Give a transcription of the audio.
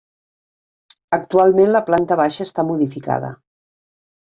Actualment la planta baixa està modificada.